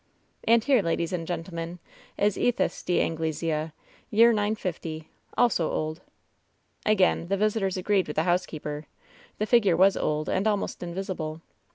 "And here, ladies and gentlemen, is Ethus d' Angle sea, year 950^^ — also old." Again the visitors agreed with the housekeeper. The figure was old and almost invisible.